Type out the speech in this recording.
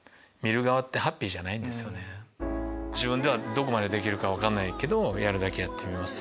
どこまでできるか分かんないけどやるだけやってみます！